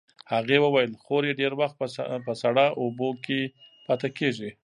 هغې وویل خور یې ډېر وخت په ساړه اوبو کې پاتې کېږي.